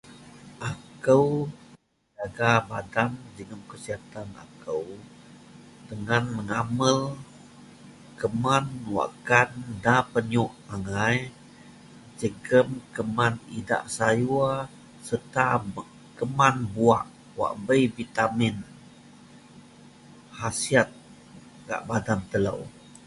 Akou jaga badan jegem kesihatan akou dengan mengamel keman wakkan nda penyok angai jegem keman idak sayuor sereta keman buwak wak bei bitamin hasiat gak badan telou.